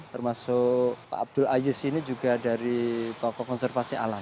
termasuk pak abdul aziz ini juga dari tokoh konservasi alam